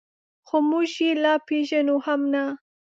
خو موږ یې لا پېژنو هم نه.